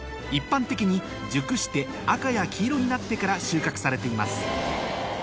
一般的に熟して赤や黄色になってから収穫されています